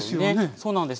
そうなんです。